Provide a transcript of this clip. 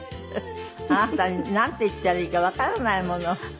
あなたになんて言ったらいいかわからないもの。